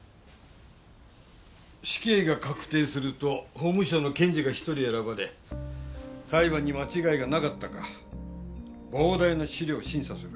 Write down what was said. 死刑が確定すると法務省の検事が１人選ばれ裁判に間違いがなかったか膨大な資料を審査する。